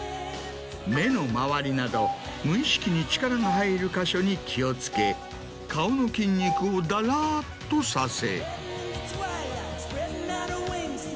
目の周りなど無意識に力が入る箇所に気を付け顔の筋肉をだらっとさせ。